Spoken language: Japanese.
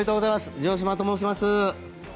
城島と申します。